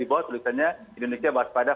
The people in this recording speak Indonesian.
di bawah tulisannya indonesia waspada